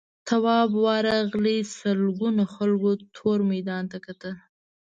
تواب ورغی سلگونو خلکو تور میدان ته کتل.